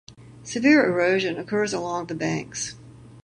Severe erosion occurs along the banks.